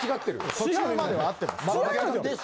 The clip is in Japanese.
途中までは合ってます。